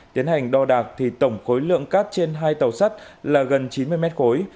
tiến hành đo đạc thì tổng khối lượng cát trên hai tàu sắt là gần chín mươi mét khối